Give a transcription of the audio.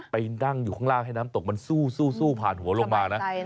ไปนั่งอยู่ข้างล่างให้น้ำตกมันสู้ผ่านหัวลงมานะ